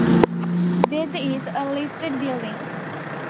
This is a listed building.